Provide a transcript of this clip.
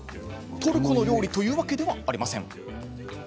トルコの料理というわけでは、ありません。